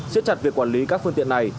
xét chặt việc quản lý các phương tiện này